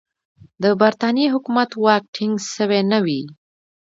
د برټانیې حکومت واک ټینګ سوی نه وي.